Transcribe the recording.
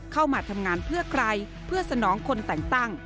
เข้ามาทำงานเพื่อใครเพื่อสนองคนแต่งตั้ง